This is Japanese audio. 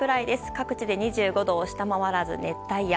各地で２５度を下回らず熱帯夜。